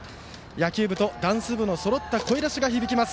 野球部とダンス部のそろった声出しが響きます。